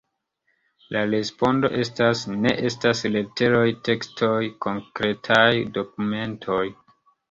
La respondo estas: ne estas leteroj, tekstoj, konkretaj dokumentoj.